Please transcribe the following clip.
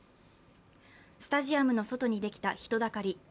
スタジアムの外にできた人だかり。